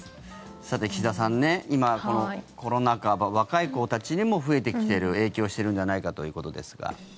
さて岸田さん、コロナ禍若い子たちにも増えてきている影響しているんじゃないかということですが。